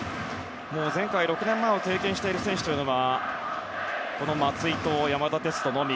前回、６年前を経験している選手というのはこの松井と山田哲人のみ。